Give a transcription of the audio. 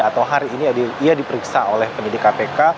atau hari ini ia diperiksa oleh penyidik kpk